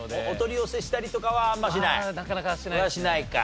お取り寄せしたりとかはあんましない？